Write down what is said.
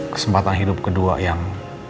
kesempatan hidup kedua yang